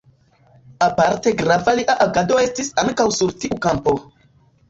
Aparte grava lia agado estis ankaŭ sur tiu kampo.